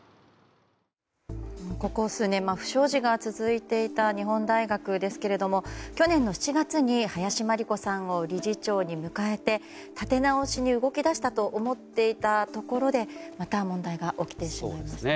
ここ数年不祥事が続いていた日本大学ですけれども去年の７月に林真理子さんを理事長に迎えて立て直しに動き出したと思っていたところでまた問題が起きてしまいましたね。